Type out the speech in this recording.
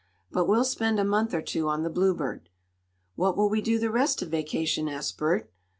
But we'll spend a month or two on the Bluebird." "What will we do the rest of vacation?" asked Bert.